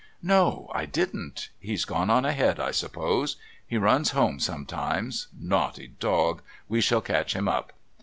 "No, I didn't. He's gone on ahead, I suppose. He runs home sometimes. Naughty dog! We shall catch him up."